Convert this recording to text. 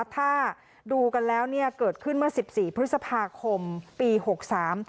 ถ้าดูกันแล้วเนี่ยเกิดขึ้นเมื่อสิบสี่พฤษภาคมปีหกสาม